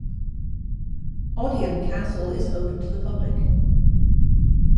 Odiham Castle is open to the public.